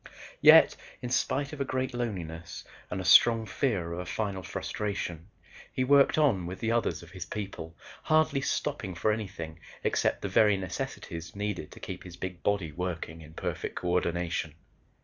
Yet, in spite of a great loneliness and a strong fear of a final frustration, he worked on with the others of his people, hardly stopping for anything except the very necessities needed to keep his big body working in perfect coordination.